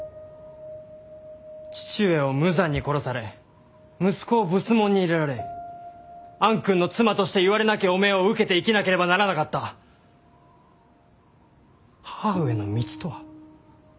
父上を無残に殺され息子を仏門に入れられ暗君の妻としていわれなき汚名を受けて生きなければならなかった母上の道とは。